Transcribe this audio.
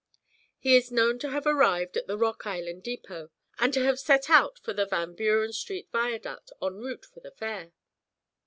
He is known to have arrived at the Rock Island Depot and to have set out for the Van Buren Street Viaduct en route for the Fair.